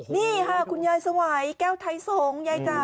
นี่ค่ะคุณยายสวัยแก้วไทยสงศ์ยายจ๋า